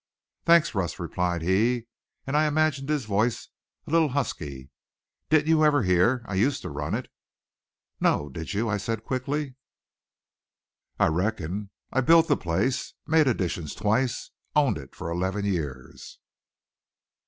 "Thanks, Russ," replied he, and I imagined his voice a little husky. "Didn't you ever hear I used to run it?" "No. Did you?" I said quickly. "I reckon. I built the place, made additions twice, owned it for eleven years."